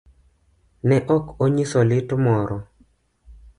Ne okonyiso lit moro.